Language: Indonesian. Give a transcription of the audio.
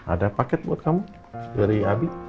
ada paket buat kamu dari abi